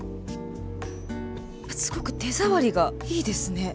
すごく手触りがいいですね。